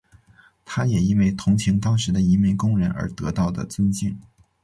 他也因为同情当时的移民工人而得到的尊敬。